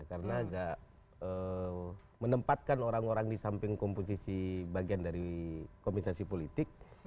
karena agak menempatkan orang orang di samping komposisi bagian dari komisasi politik